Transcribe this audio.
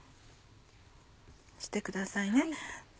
してくださいね。